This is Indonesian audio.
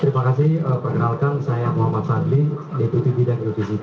terima kasih perkenalkan saya muhammad sadli deputisi bidang inovasi kbpkg